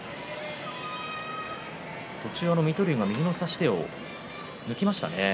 途中、水戸龍が右の差し手を抜きましたね。